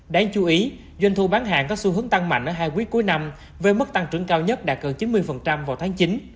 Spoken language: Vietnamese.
đáng chú ý doanh thu bán hàng có xu hướng tăng mạnh ở hai quý cuối năm với mức tăng trưởng cao nhất đạt gần chín mươi vào tháng chín